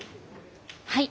はい。